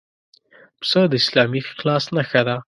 پسه د اسلامي اخلاص نښه ده.